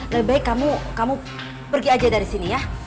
lebih baik kamu pergi aja dari sini ya